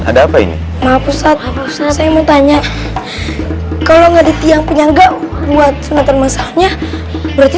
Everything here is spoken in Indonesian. ada apa ini maaf saya mau tanya kalau enggak di tiang penyangga buat sunatan masalahnya berarti